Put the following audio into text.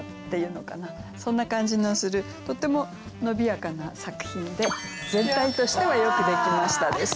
そんな感じのするとっても伸びやかな作品で全体としては「よくできました」です。